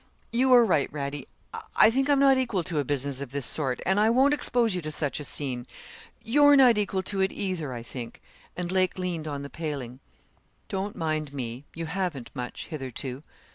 You were right, Radie I think I'm not equal to a business of this sort, and I won't expose you to such a scene. You're not equal to it either, I think,' and Lake leaned on the paling. 'Don't mind me you haven't much hitherto.